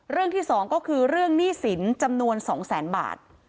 เรื่องที่๒ก็คือเรื่องหนี้สินจำนวน๒แสนบาท